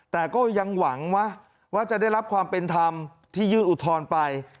แต่ก็ยังหวังว่าจะได้รับความเป็นธรรมที่ยื่นอุทธรณ์ไป